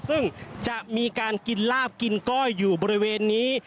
ซึ่งจะมีการกินลาบกินก้อยอยู่บริเวณนี้